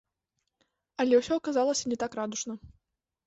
Але ўсё аказалася не так радужна.